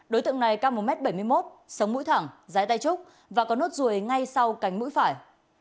đối tượng này cao một m bảy mươi một sống mũi thẳng dài tay trúc và có nốt ruồi ngay sau cánh mũi phải